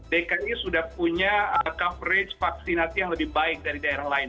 dki sudah punya coverage vaksinasi yang lebih baik dari daerah lain